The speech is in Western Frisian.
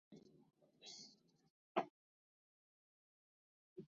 Troch noch ûnbekende oarsaak rekke de frachtwein yn de berm.